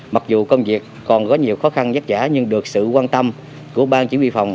mặc dù công việc còn có nhiều khó khăn vất vả nhưng được sự quan tâm của bang chỉ huy phòng